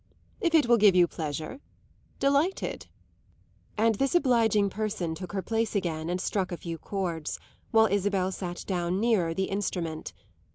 "If it will give you pleasure delighted." And this obliging person took her place again and struck a few chords, while Isabel sat down nearer the instrument.